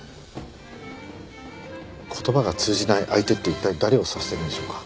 言葉が通じない相手って一体誰を指しているんでしょうか？